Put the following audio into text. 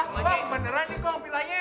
kok beneran nih kok bilangnya